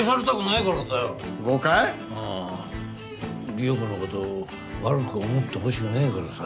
理代子の事悪く思ってほしくねえからさ。